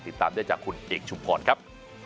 ติดตามได้จากคุณเอกชุมพรครับ